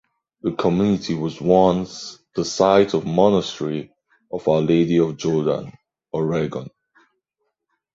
The community was once the site of Monastery of Our Lady of Jordan, Oregon.